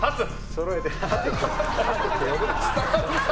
そろえて！